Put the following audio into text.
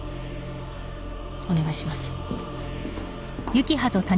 お願いします。